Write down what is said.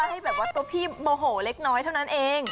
ให้ตัวพี่ตัวโมโหเล็กน้อยเท่านั้นเอง